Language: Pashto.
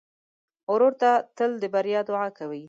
ورور ته تل د بریا دعا کوې.